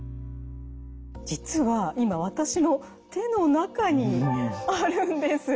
実は今私の手の中にあるんです。